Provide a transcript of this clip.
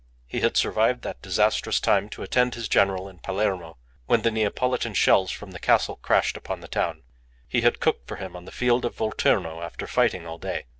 He had survived that disastrous time to attend his general in Palermo when the Neapolitan shells from the castle crashed upon the town. He had cooked for him on the field of Volturno after fighting all day.